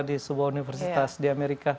di sebuah universitas di amerika